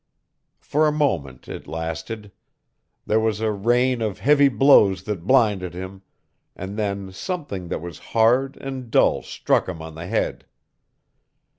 For a moment it lasted. There was a rain of heavy blows that blinded him, and then something that was hard and dull struck him on the head.